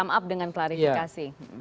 come up dengan klarifikasi